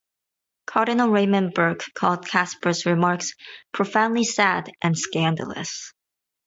Cardinal Raymond Burke called Kasper's remarks "profoundly sad and scandalous".